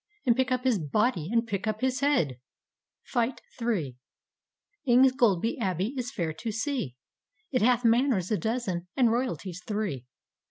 And pick up his body and pick up his headl " Ingoldsby Abbey is fair to see, It hath manors a dozen, and royalties three.